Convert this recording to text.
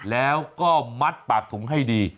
แล้วก็มัดปากถุงให้ดี